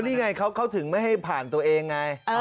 นี่ไงเขาถึงไม่ให้ผ่านตัวเองไง